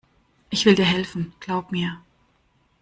Ich will dir helfen, glaub mir.